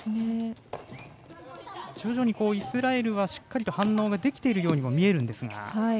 徐々にイスラエルはしっかりと反応ができているようにも見えるんですが。